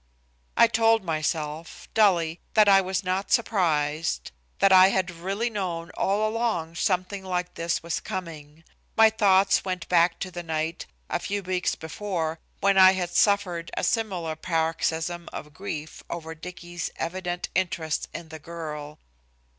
I told myself, dully, that I was not surprised; that I had really known all along something like this was coming. My thoughts went back to the night, a few weeks before, when I had suffered a similar paroxysm of grief over Dicky's evident interest in the girl.